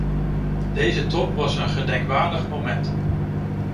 Deze top was een gedenkwaardig moment.